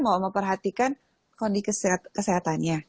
mau memperhatikan kondisi kesehatannya